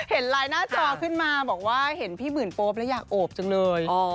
เห็นไลน์หน้าจอขึ้นมาบอกว่าเห็นพี่หมื่นโป๊ปแล้วอยากโอบจังเลย